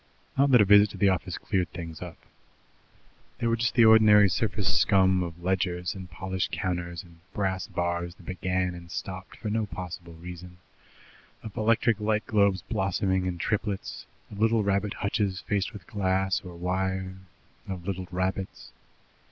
Not that a visit to the office cleared things up. There was just the ordinary surface scum of ledgers and polished counters and brass bars that began and stopped for no possible reason, of electric light globes blossoming in triplets, of little rabbit hutches faced with glass or wire, of little rabbits.